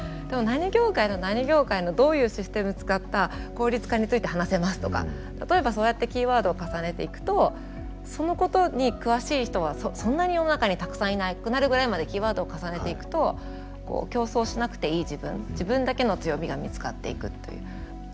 でも何業界の何業界のどういうシステム使った効率化について話せますとか例えばそうやってキーワードを重ねていくとそのことに詳しい人はそんなに世の中にたくさんいなくなるぐらいまでキーワードを重ねていくと競争しなくていい自分自分だけの強みが見つかっていくという。